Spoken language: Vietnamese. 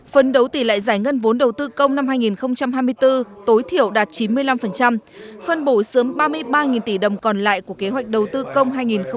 phân đấu tỷ lệ giải ngân vốn đầu tư công năm hai nghìn hai mươi bốn tối thiểu đạt chín mươi năm phân bổ sớm ba mươi ba tỷ đồng còn lại của kế hoạch đầu tư công hai nghìn hai mươi bốn